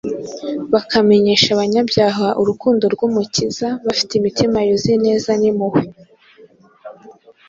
bakamenyesha abanyabyaha urukundo rw’Umukiza bafite imitima yuzuye ineza n’impuhwe